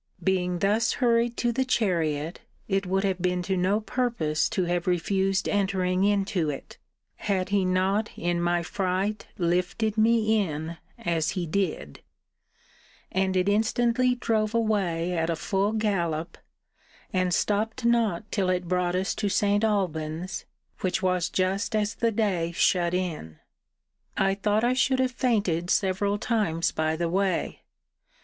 Being thus hurried to the chariot, it would have been to no purpose to have refused entering into it, had he not in my fright lifted me in, as he did: and it instantly drove away a full gallop, and stopped not till it brought us to St. Alban's; which was just as the day shut in. I thought I should have fainted several times by the way.